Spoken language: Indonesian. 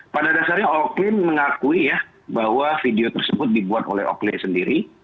pada dasarnya oklin mengakui ya bahwa video tersebut dibuat oleh oklio sendiri